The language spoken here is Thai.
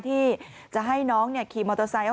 ที่จะให้น้องขี่มอเตอร์ไซค์